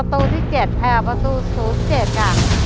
ที่๗แพลวประตู๐๗กัน